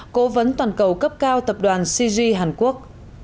cố vấn toàn cầu cấp cao tập đoàn cg hàn quốc